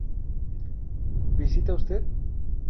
¿Visita usted?